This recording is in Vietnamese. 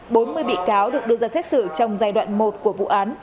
bốn mươi bị cáo được đưa ra xét xử trong giai đoạn một của vụ án